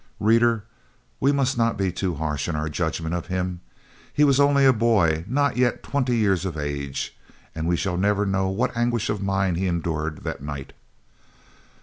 Reader, we must not be too harsh in our judgment of him. He was only a boy, not yet twenty years of age, and we shall never know what anguish of mind he endured that night.